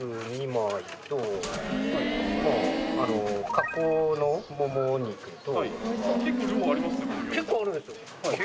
加工のモモ肉と。